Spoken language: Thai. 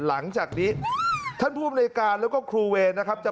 หลังจากนี้ท่านผู้อำนวยการแล้วก็ครูเวรนะครับจะ